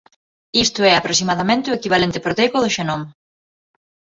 Isto é aproximadamente o equivalente proteico do xenoma.